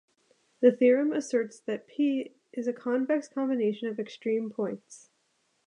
The theorem asserts that "p" is a convex combination of extreme points.